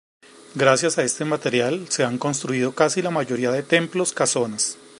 Gracias a este material, se han construido casi la mayoría de templos, casonas.